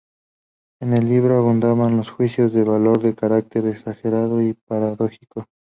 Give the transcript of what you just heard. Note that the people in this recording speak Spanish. En el libro abundan los juicios de valor de carácter exagerado y paradójico.